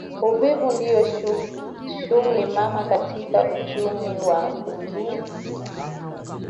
Uvuvi ndio shughuli mama katika uchumi wa Buluu